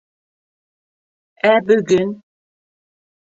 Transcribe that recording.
Ә бөгөн?